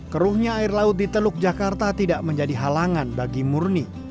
keruhnya air laut di teluk jakarta tidak menjadi halangan bagi murni